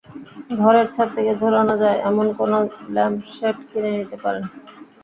ঘরের ছাদ থেকে ঝোলানো যায়, এমন কোনো ল্যাম্পশেড কিনে নিতে পারেন।